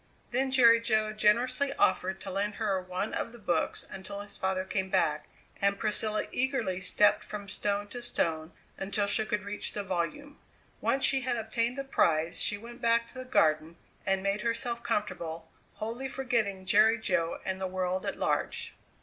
Then Jerry Jo generously offered to lend her one of the books until his father came back, and Priscilla eagerly stepped from stone to stone until she could reach the volume. Once she had obtained the prize she went back to the garden and made herself comfortable, wholly forgetting Jerry Jo and the world at large.